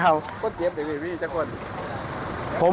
เก็บอย่างไรพี่ท่านครับ